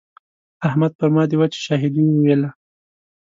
احمد پر ما د وچې شاهدي وويله.